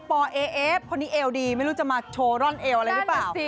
เอเอฟคนนี้เอวดีไม่รู้จะมาโชว์ร่อนเอวอะไรหรือเปล่า